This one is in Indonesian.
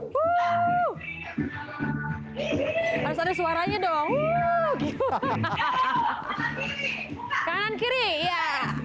hai wuh harus ada suaranya dong hahaha kan kiri ya